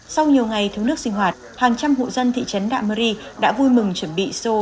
sau nhiều ngày thiếu nước sinh hoạt hàng trăm hộ dân thị trấn đạ mơ ri đã vui mừng chuẩn bị xô